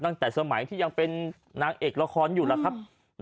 ตั้งแต่สมัยที่ยังเป็นนางเอกละครอยู่แล้วครับ